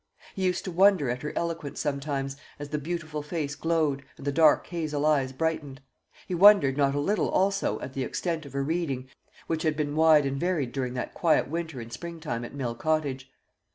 He used to wonder at her eloquence sometimes, as the beautiful face glowed, and the dark hazel eyes brightened; he wondered not a little also at the extent of her reading, which had been wide and varied during that quiet winter and spring time at Mill Cottage.